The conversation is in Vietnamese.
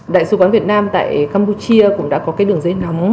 đại sứ quán việt nam tại campuchia cũng đã có cái đường dây nóng